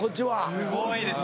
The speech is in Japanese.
すごいです。